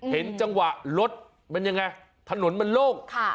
เห็นจังหวะรถมันยังไงถนนมันโล่ง